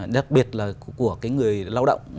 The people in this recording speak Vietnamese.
đặc biệt là của cái người lao động